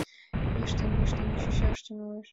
Йӱштын-йӱштын чучаш тӱҥалеш.